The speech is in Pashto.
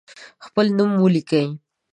خپل نوم ولیکئ.